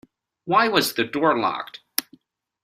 Why was the door locked?